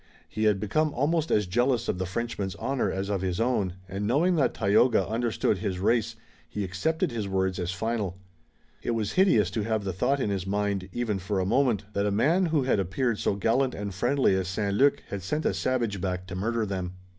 He had become almost as jealous of the Frenchman's honor as of his own, and knowing that Tayoga understood his race, he accepted his words as final. It was hideous to have the thought in his mind, even for a moment, that a man who had appeared so gallant and friendly as St. Luc had sent a savage back to murder them.